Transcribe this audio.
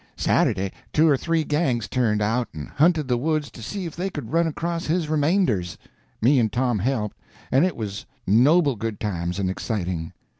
Saturday two or three gangs turned out and hunted the woods to see if they could run across his remainders. Me and Tom helped, and it was noble good times and exciting.